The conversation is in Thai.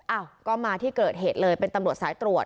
อ้าวก็มาที่เกิดเหตุเลยเป็นตำรวจสายตรวจ